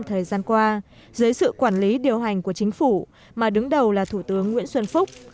thời gian qua dưới sự quản lý điều hành của chính phủ mà đứng đầu là thủ tướng nguyễn xuân phúc